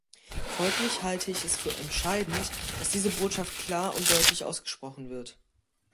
Folglich halte ich es für entscheidend, dass diese Botschaft klar und deutlich ausgesprochen wird.